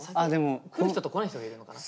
来る人と来ない人がいるのかな。